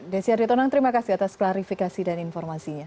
desy ardhidonang terima kasih atas klarifikasi dan informasinya